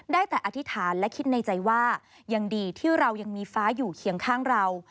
ได้แต่อธิษฐานและคิดในใจว่ายังดีที่เรายังมีฟ้าอยู่เคียงข้างเรา